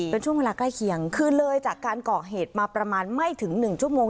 เป็นช่วงเวลาใกล้เคียงคือเลยจากการก่อเหตุมาประมาณไม่ถึง๑ชั่วโมง